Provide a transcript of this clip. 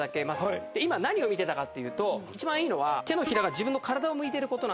今何を見てたかっていうと一番いいのは手のひらが自分の体を向いてることなんですよ。